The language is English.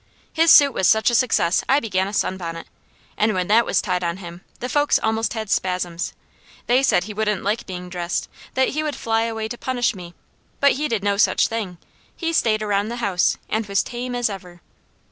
His suit was such a success I began a sunbonnet, and when that was tied on him, the folks almost had spasms. They said he wouldn't like being dressed; that he would fly away to punish me, but he did no such thing. He stayed around the house and was tame as ever.